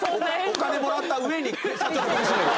お金もらったうえに社長の首絞める。